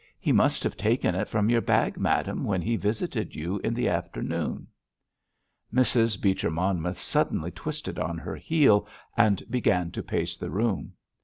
He must have taken it from your bag, madame, when he visited you in the afternoon." Mrs. Beecher Monmouth suddenly twisted on her heel and began to pace the room.